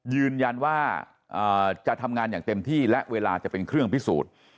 ยืนยันว่าจะทำงานอย่างเต็มที่และเวลาจะเป็นเครื่องพิสูจน์